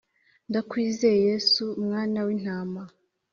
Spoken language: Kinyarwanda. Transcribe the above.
Ndakwizeye yesu mwana w’intama